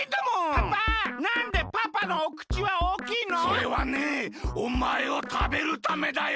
それはねおまえをたべるためだよ！